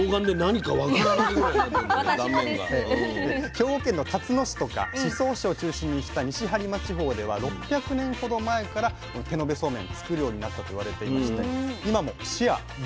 兵庫県のたつの市とか宍粟市を中心にした西播磨地方では６００年ほど前からこの手延べそうめん作るようになったといわれていまして今もシェア４割。